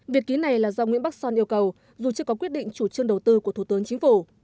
việc ký này là do nguyễn bắc son yêu cầu dù chưa có quyết định chủ trương đầu tư của thủ tướng chính phủ